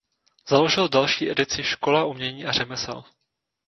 Založil další edici "Škola umění a řemesel".